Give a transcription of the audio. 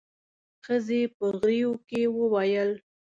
ښځې په غريو کې وويل.